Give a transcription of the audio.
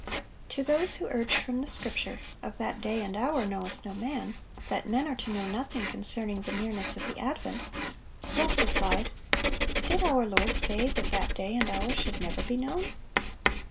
To those who urged from the scripture, "Of that day and hour knoweth no man," that men are to know nothing concerning the nearness of the advent, Wolff replied: "Did our Lord say that that day and hour should never be known?